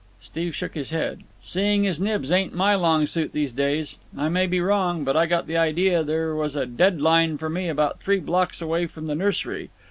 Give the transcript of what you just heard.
Steve shook his head. "Seeing his nibs ain't my long suit these days. I may be wrong, but I got the idea there was a dead line for me about three blocks away from the nursery.